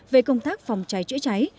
về công tác phòng cháy chữa cháy